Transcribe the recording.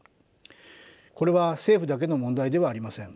これは政府だけの問題ではありません。